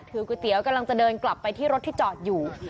ก๋วยเตี๋ยวกำลังจะเดินกลับไปที่รถที่จอดอยู่